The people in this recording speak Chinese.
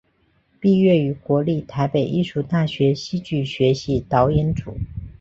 毕业于国立台北艺术大学戏剧学系导演组。